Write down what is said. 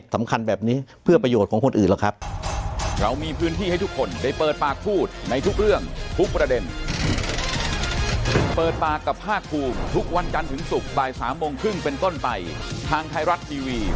สำคัญแบบนี้เพื่อประโยชน์ของคนอื่นหรอกครับ